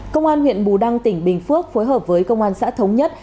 công an huyện bù đăng tỉnh bình phước phối hợp với công an xã thống nhất